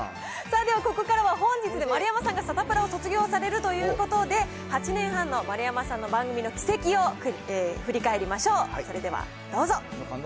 ではここからは、本日、丸山さんがサタプラを卒業されるということで、８年半の丸山さんの番組の軌跡を振り返りましょう。